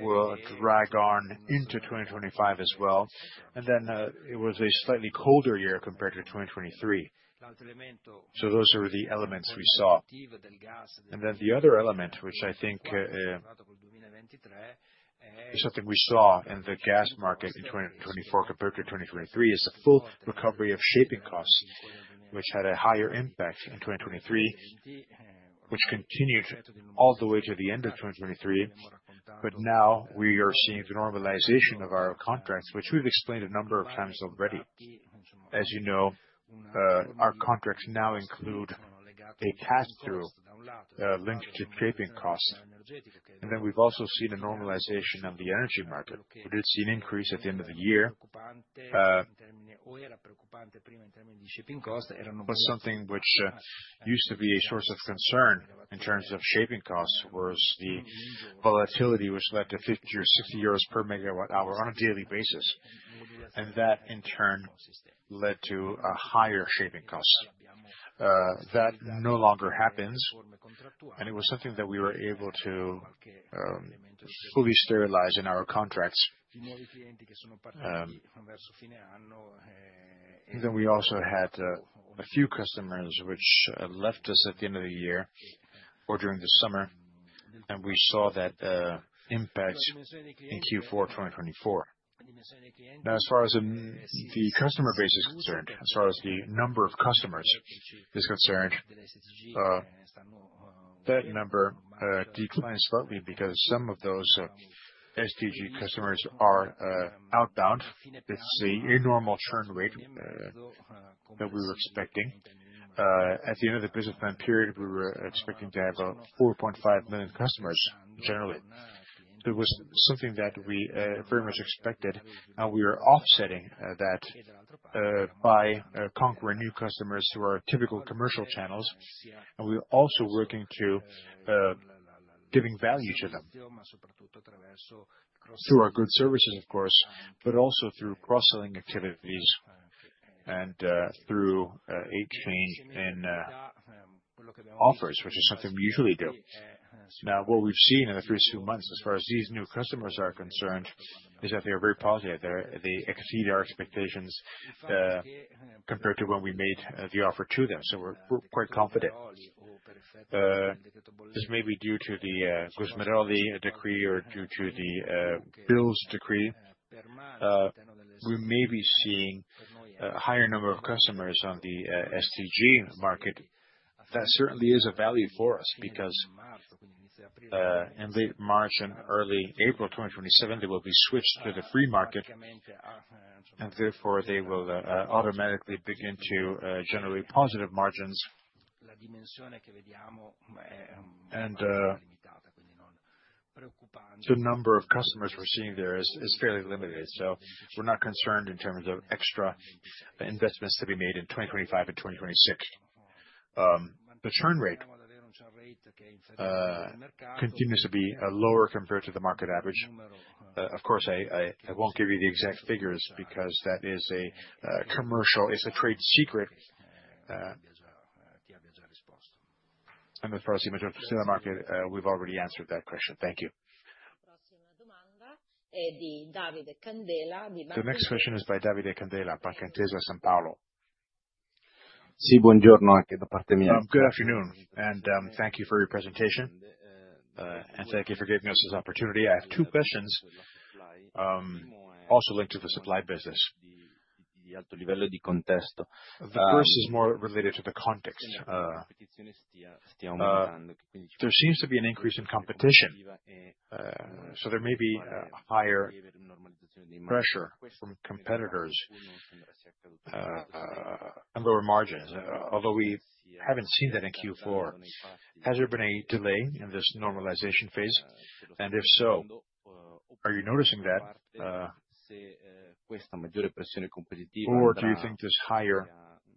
will drag on into 2025 as well. It was a slightly colder year compared to 2023. Those are the elements we saw. The other element, which I think is something we saw in the gas market in 2024 compared to 2023, is the full recovery of shipping costs, which had a higher impact in 2023, which continued all the way to the end of 2023. Now we are seeing the normalization of our contracts, which we've explained a number of times already. As you know, our contracts now include a pass-through linked to shipping costs. We've also seen a normalization of the energy market. We did see an increase at the end of the year in shipping costs. It was something which used to be a source of concern in terms of shipping costs, whereas the volatility led to 50 or 60 euros per MWh on a daily basis. That, in turn, led to a higher shipping cost. That no longer happens, and it was something that we were able to fully sterilize in our contracts. We also had a few customers which left us at the end of the year or during the summer, and we saw that impact in Q4 2024. Now, as far as the customer base is concerned, as far as the number of customers is concerned, that number declined slightly because some of those STG customers are outbound. It's the normal churn rate that we were expecting. At the end of the business plan period, we were expecting to have 4.5 million customers generally. It was something that we very much expected, and we are offsetting that by conquering new customers through our typical commercial channels. We're also working to give value to them through our good services, of course, but also through cross-selling activities and through a change in offers, which is something we usually do. Now, what we've seen in the first few months, as far as these new customers are concerned, is that they are very positive. They exceed our expectations compared to when we made the offer to them. So we're quite confident. This may be due to the Gusmeroli decree or due to the Bills decree. We may be seeing a higher number of customers on the STG market. That certainly is a value for us because in late March and early April 2027, they will be switched to the free market, and therefore they will automatically begin to generate positive margins. The number of customers we're seeing there is fairly limited. So we're not concerned in terms of extra investments to be made in 2025 and 2026. The churn rate continues to be lower compared to the market average. Of course, I won't give you the exact figures because that is commercial; it's a trade secret. As far as the majority of the market, we've already answered that question. Thank you. The next question is by Davide Candela, Banca Intesa Sanpaolo. Good afternoon, and thank you for your presentation, and thank you for giving us this opportunity. I have two questions also linked to the supply business. The first is more related to the context. There seems to be an increase in competition, so there may be a higher pressure from competitors and lower margins, although we haven't seen that in Q4. Has there been a delay in this normalization phase? If so, are you noticing that? Or do you think this higher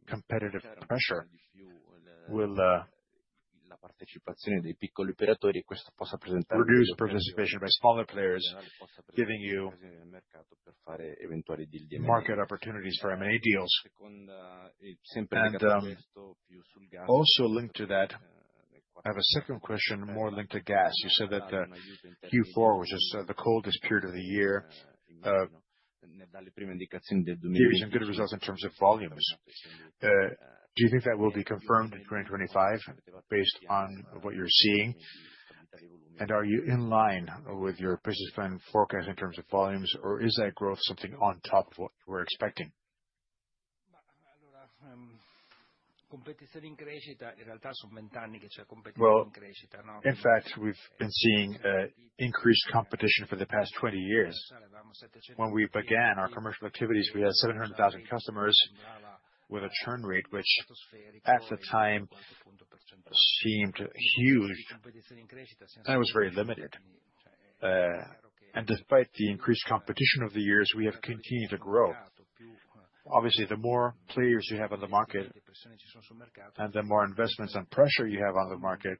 competitive pressure will reduce participation by smaller players, giving you market opportunities for M&A deals? Also linked to that, I have a second question more linked to gas. You said that Q4, which is the coldest period of the year, is giving you some good results in terms of volumes. Do you think that will be confirmed in 2025 based on what you're seeing? Are you in line with your business plan forecast in terms of volumes, or is that growth something on top of what we're expecting? In fact, we've been seeing increased competition for the past 20 years. When we began our commercial activities, we had 700,000 customers with a churn rate which, at the time, seemed huge, and it was very limited. Despite the increased competition of the years, we have continued to grow. Obviously, the more players you have on the market and the more investments and pressure you have on the market,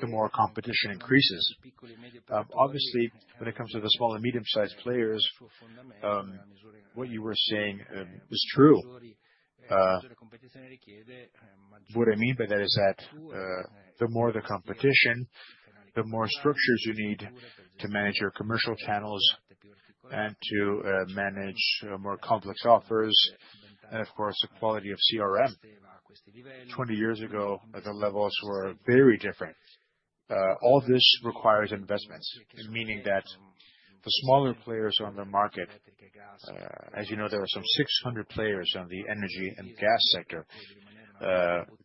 the more competition increases. Obviously, when it comes to the small and medium-sized players, what you were saying is true. What I mean by that is that the more the competition, the more structures you need to manage your commercial channels and to manage more complex offers, and of course, the quality of CRM. Twenty years ago, the levels were very different. All this requires investments, meaning that the smaller players on the market, as you know, there are some 600 players in the energy and gas sector.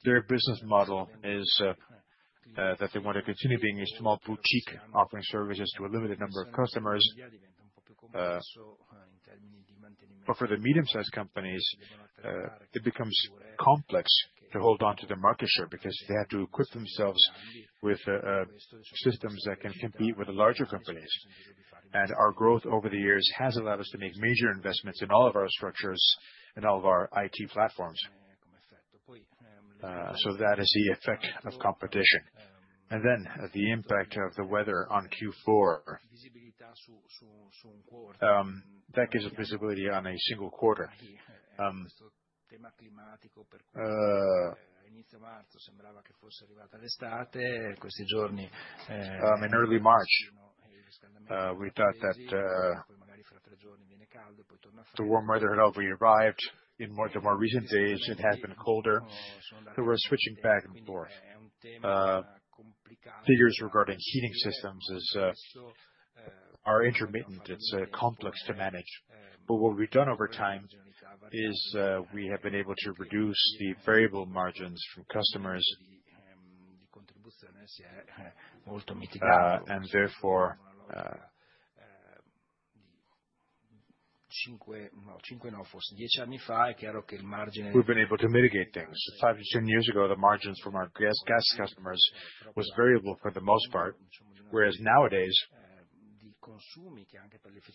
Their business model is that they want to continue being a small boutique offering services to a limited number of customers. But for the medium-sized companies, it becomes complex to hold on to their market share because they have to equip themselves with systems that can compete with the larger companies. Our growth over the years has allowed us to make major investments in all of our structures and all of our IT platforms. So that is the effect of competition. The impact of the weather on Q4 gives us visibility on a single quarter. In early March, we thought that the warm weather had already arrived. In the more recent days, it has been colder. We're switching back and forth. Figures regarding heating systems are intermittent. It's complex to manage. But what we've done over time is we have been able to reduce the variable margins from customers. Therefore, 10 years ago, we've been able to mitigate things. Five to ten years ago, the margins from our gas customers were variable for the most part, whereas nowadays,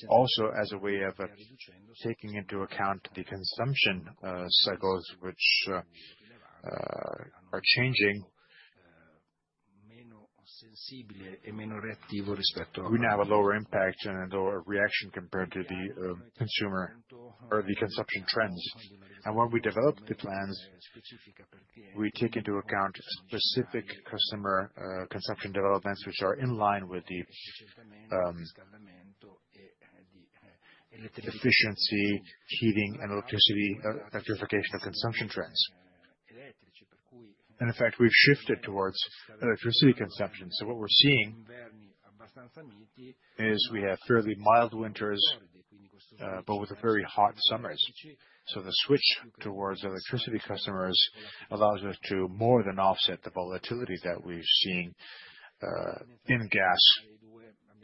also as a way of taking into account the consumption cycles, which are changing, we now have a lower impact and a lower reaction compared to the consumption trends. When we develop the plans, we take into account specific customer consumption developments, which are in line with the efficiency, heating, and electricity electrification of consumption trends. In fact, we've shifted towards electricity consumption. What we're seeing is we have fairly mild winters, but with very hot summers. The switch towards electricity customers allows us to more than offset the volatility that we're seeing in gas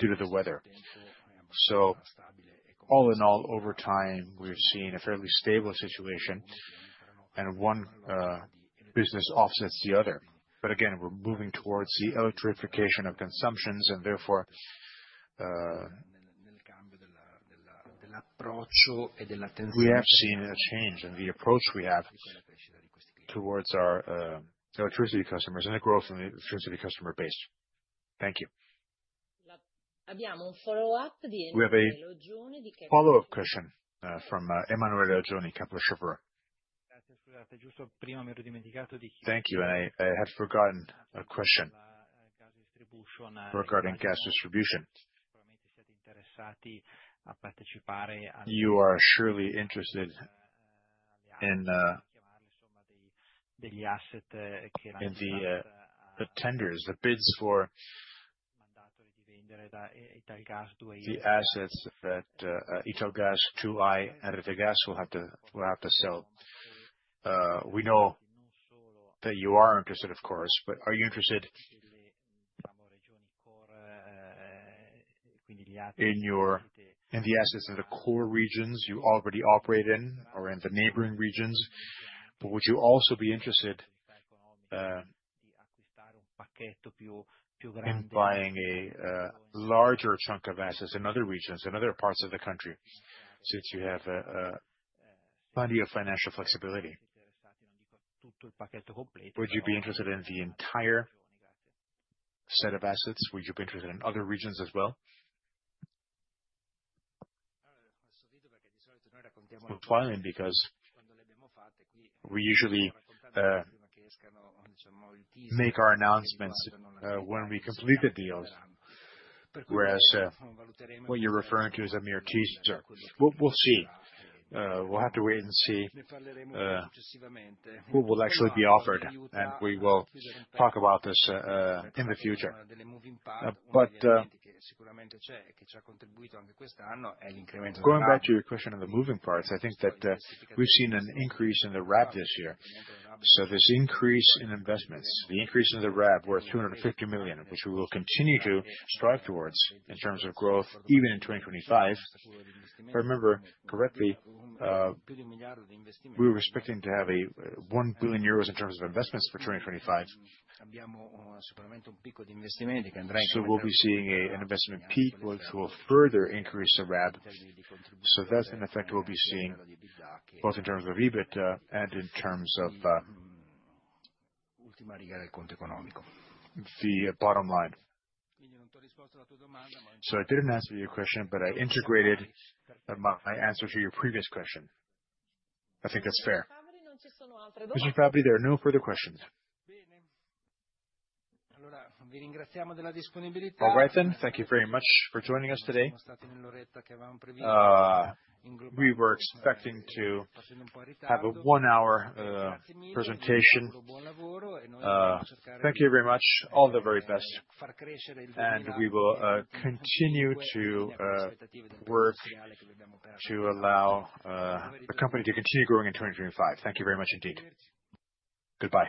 due to the weather. All in all, over time, we've seen a fairly stable situation, and one business offsets the other. We're moving towards the electrification of consumptions, and therefore, we have seen a change in the approach we have towards our electricity customers and the growth of the electricity customer base. Thank you. We have a follow-up question from Emanuele Oggioni, Kepler Cheuvreux. Thank you. I had forgotten a question regarding gas distribution. You are surely interested in the asset that bids for Italgas 2i Rete Gas will have to sell. We know that you are interested, of course, but are you interested in the assets in the core regions you already operate in or in the neighboring regions? But would you also be interested in buying a larger chunk of assets in other regions, in other parts of the country, since you have plenty of financial flexibility? Would you be interested in the entire set of assets? Would you be interested in other regions as well? We usually make our announcements when we complete the deals, whereas what you're referring to is a mere teaser. We'll see. We'll have to wait and see who will actually be offered, and we will talk about this in the future. Going back to your question of the moving parts, I think that we've seen an increase in the RAB this year. So this increase in investments, the increase in the RAB, we're at 250 million, which we will continue to strive towards in terms of growth even in 2025. But remember correctly, we were expecting to have 1 billion euros in terms of investments for 2025. So we'll be seeing an investment peak which will further increase the RAB. So that's an effect we'll be seeing both in terms of EBIT and in terms of the bottom line. So I didn't answer your question, but I integrated my answer to your previous question. I think that's fair. Mr. Fabbri, there are no further questions. All right then. Thank you very much for joining us today. We were expecting to have a one-hour presentation. Thank you very much. All the very best, and we will continue to work to allow the company to continue growing in 2025. Thank you very much indeed. Goodbye.